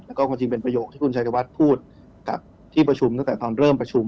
แล้วก็ความจริงเป็นประโยคที่คุณชายธวัฒน์พูดกับที่ประชุมตั้งแต่ตอนเริ่มประชุม